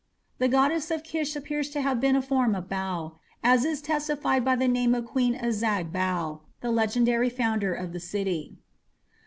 The goddess of Kish appears to have been a form of Bau, as is testified by the name of Queen Azag Bau, the legendary founder of the city.